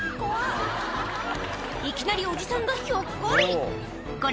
いきなりおじさんがひょっこりこれ